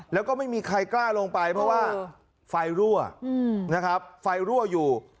แล้วก็ไม่มีใครกล้าลงไปเพราะว่าไฟรั่วนะครับไฟรั่วอยู่